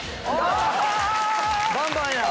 バンバンや。